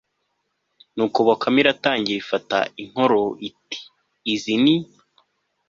nuko bakame iratangira ifata inkoro iti izi ni